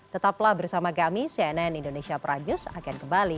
tetaplah bersama kami cnn indonesia pradius akan kembali